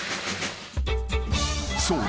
［そう。